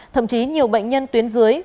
thậm chí nhiều bệnh nhân tuyến dưới